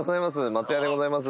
松也でございます。